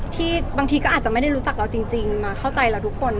ที่บางทีก็อาจจะไม่ได้รู้จักเราจริงมาเข้าใจเราทุกคน